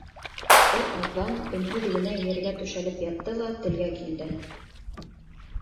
Бер аҙҙан өнһөҙ генә ергә түшәлеп ятты ла телгә килде: